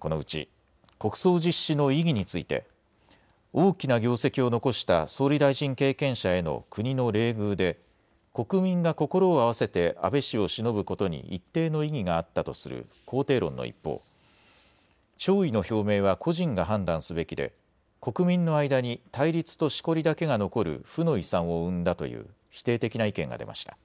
このうち国葬実施の意義について大きな業績を残した総理大臣経験者への国の礼遇で国民が心を合わせて安倍氏をしのぶことに一定の意義があったとする肯定論の一方、弔意の表明は個人が判断すべきで国民の間に対立としこりだけが残る負の遺産を生んだという否定的な意見が出ました。